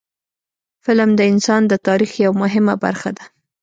فلم د انسان د تاریخ یوه مهمه برخه ده